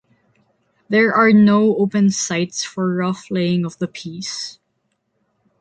There are no open sights for rough laying of the piece.